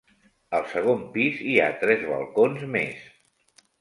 Al segon pis hi ha tres balcons més.